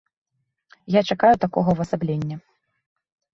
Я чакаю такога ўвасаблення.